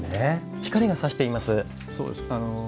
光が差しています。